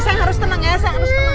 sayang harus tenang ya